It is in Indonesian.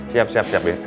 siap siap siap din